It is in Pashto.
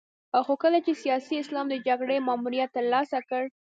خو کله چې سیاسي اسلام د جګړې ماموریت ترلاسه کړ.